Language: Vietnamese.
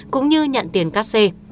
cũng như nhận tiền cắt xe